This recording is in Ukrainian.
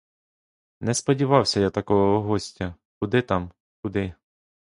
Не сподівався я такого гостя, куди там, куди!